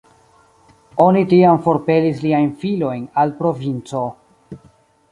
Oni tiam forpelis liajn filojn al provinco.